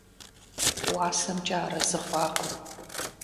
УасэмкӀэ арэзы хъуакъым.